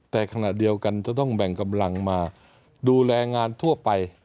แต่ขณะเดียวกันจะต้องแบ่งกำลังมาดูแลงานทั่วไป